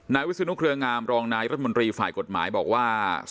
วิศนุเครืองามรองนายรัฐมนตรีฝ่ายกฎหมายบอกว่า